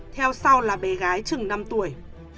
theo sau là bé gái trừng năm tuổi